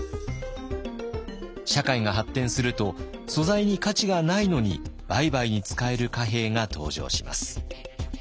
社会が発展すると素材に価値がないのに売買に使える貨幣が登場します。